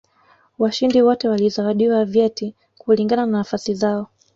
washindi wote walizawadiwa vyeti kulingana na nafasi zao